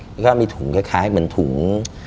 แล้วก็มีถุงคล้ายแบบถุง